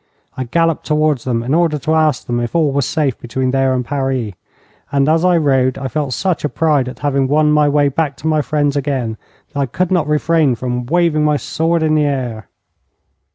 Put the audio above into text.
I galloped towards them in order to ask them if all was safe between there and Paris, and as I rode I felt such a pride at having won my way back to my friends again, that I could not refrain from waving my sword in the air.